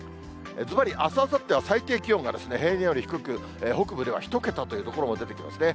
ずばり、あす、あさっては最低気温が平年より低く、北部では１桁という所も出てきますね。